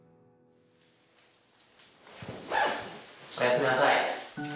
おやすみなさい。